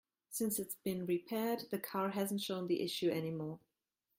Since it's been repaired, the car hasn't shown the issue any more.